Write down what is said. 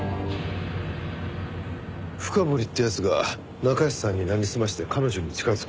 深堀って奴が中安さんになりすまして彼女に近づき